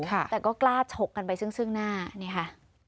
แต่ก็กล้าฉกกันไปซึ่งซึ่งหน้านี่ค่ะ